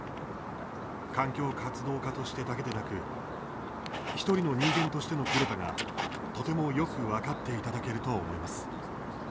環境活動家としてだけでなく１人の人間としてのグレタがとてもよく分かっていただけると思います。